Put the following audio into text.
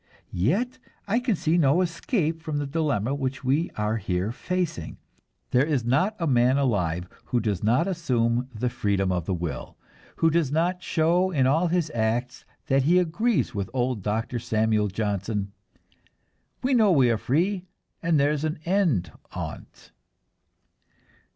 Yet I can see no escape from the dilemma we are here facing. There is not a man alive who does not assume the freedom of the will, who does not show in all his acts that he agrees with old Dr. Samuel Johnson: "We know we are free and there's an end on't."